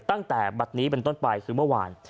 ตั้งแต่บัตรนี้เป็นต้นไปคือเมื่อวาน